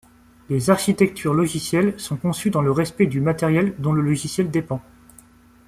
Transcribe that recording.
Les architectures logicielles sont conçues dans le respect du matériel dont le logiciel dépend.